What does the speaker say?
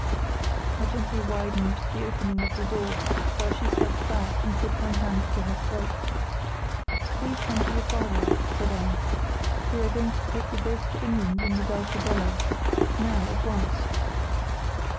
I gently widened the opening of the door, while she stepped back and put one hand to her throat. "Please come to your father," I said. "We are going to take you both to England in the Dulcibella—now, at once."